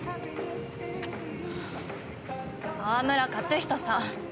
川村活人さん。